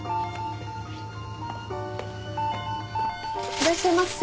いらっしゃいませ。